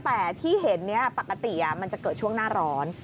แต่ที่เห็นนี้ปกติมันจะเกิดช่วงหน้าร้อน